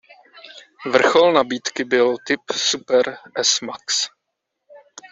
Vrchol nabídky byl typ Super s max.